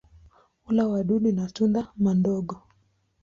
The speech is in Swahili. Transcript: Hula wadudu na tunda madogo.